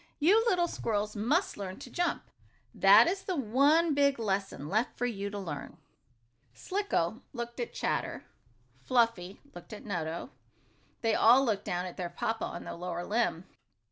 "You little squirrels must learn to jump. That is the one, big lesson left for you to learn." Slicko looked at Chatter. Fluffy looked at Nutto. Then they all looked down at their papa on the lower limb.